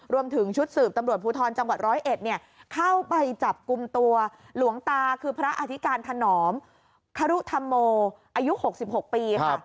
รวมถึงชุดสืบตำรวจภูทรจังหวัด๑๐๑เข้าไปจับกลุ่มตัวหลวงตาคือพระอธิการถนอมครุธรรมโมอายุ๖๖ปีค่ะ